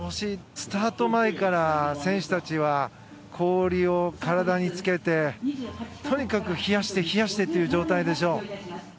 スタート前から選手たちは氷を体につけてとにかく冷やして冷やしてという状態でしょう。